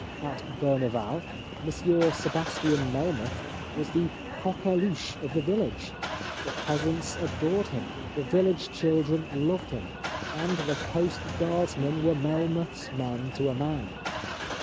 At Berneval Monsieur " Sebastian Melmoth " was the coqueluche of the village. The peasants adored him ; the village children loved him; and the coast guardsmen were Melmoth's men to a man.